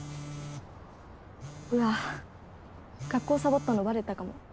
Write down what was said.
うわっ学校サボったのバレたかも。